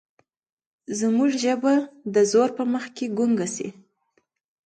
زموږ ژبه د زور په مخ کې ګونګه شي.